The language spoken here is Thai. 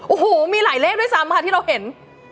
โอ้โหมีหลายเลขด้วยซ้ำค่ะที่เราเห็น